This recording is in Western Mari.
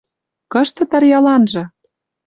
Кышты Тарьяланжы?..